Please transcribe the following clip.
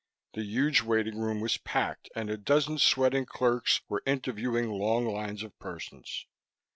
The huge waiting room was packed and a dozen sweating clerks were interviewing long lines of persons.